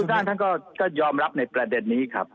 ท่านท่านก็ยอมรับในประเด็นนี้ครับ